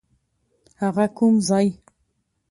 هغه کوم ځای؟